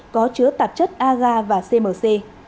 có chứa tạp chất aga và cmc